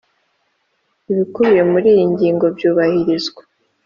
Ibikubiye muri iyi ngingo byubahirizwa